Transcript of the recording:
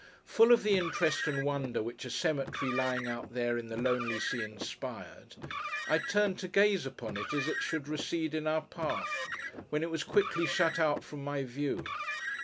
Full of the interest and wonder which a cemetery lying out there, in the lonely sea, inspired, I turned to gaze upon it as it should recede in our path, when it was quickly shut out from my view.